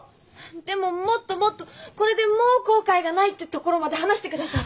でももっともっと「これでもう後悔がない」ってところまで話してください。